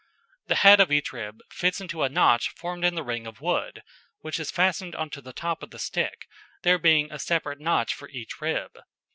The head of each rib fits into a notch formed in the ring of wood, which is fastened on to the top of the stick, there being a separate, notch for each rib.